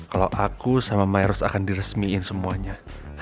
kalau aku sama miros akan diresmiin semuanya